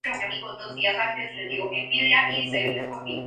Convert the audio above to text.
De ideología falangista, tomó parte en la Guerra civil.